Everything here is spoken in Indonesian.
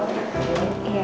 tapi aku aku mau keluar